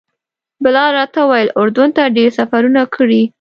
بلال راته وویل اردن ته ډېر سفرونه کړي.